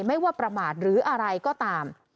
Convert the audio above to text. ไม่ว่าประมาทหรืออะไรก็ตาม